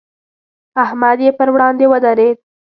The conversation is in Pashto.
احمد یې پر وړاندې ودرېد.